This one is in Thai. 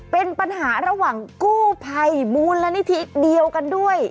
เป็นปัญหาระหว่างกู้ภัยมูลนิธิเดียวกันด้วย